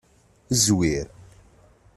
Zzwir.